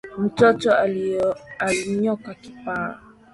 Mtoto alinyoa kipara